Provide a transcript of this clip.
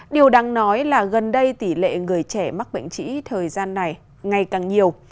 điều đáng nói là gần đây tỷ lệ người trẻ mắc bệnh trĩ thời gian này ngày càng nhiều